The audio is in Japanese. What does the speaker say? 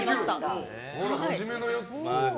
真面目なやつ。